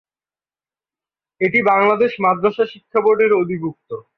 এটি বাংলাদেশ মাদ্রাসা শিক্ষা বোর্ডের অধিভুক্ত।